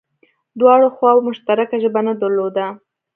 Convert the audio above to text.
دواړو خواوو مشترکه ژبه نه درلوده